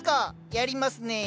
やりますね。